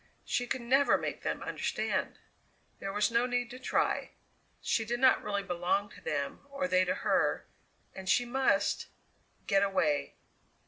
She could never make them understand! There was no need to try. She did not really belong to them, or they to her, and she must get away!